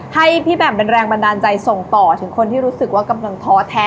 ให้พี่แหม่มเป็นแรงบันดาลใจส่งต่อถึงคนที่รู้สึกว่ากำลังท้อแท้